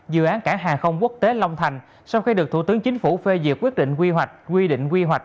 dự án cảng hàng không quốc tế long thành sau khi được thủ tướng chính phủ phê duyệt quyết định quy hoạch